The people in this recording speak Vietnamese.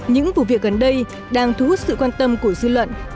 những vụ việc gần đây đang thu hút sự quan tâm của dư luận